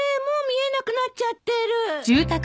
もう見えなくなっちゃってる。